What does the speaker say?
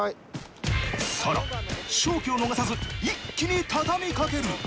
ＳａＲａ勝機を逃さず一気に畳み掛ける。